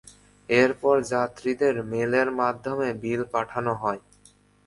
এরপর যাত্রীদের মেইলের মাধ্যমে বিল পাঠানো হয়।